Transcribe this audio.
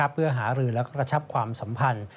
เพื่อหารือและกระชับความสัมพันธ์